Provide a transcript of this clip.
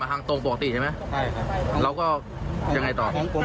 มาเก็บตรงไหนบ้างมาเก็บตรงไหนบ้าง